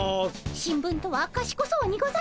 新聞とはかしこそうにございますね。